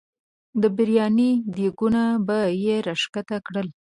د برياني دیګونه به یې راښکته کړل.